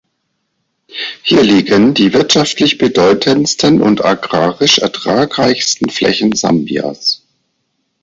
Hier liegen die wirtschaftlich bedeutendsten und agrarisch ertragreichsten Flächen Sambias.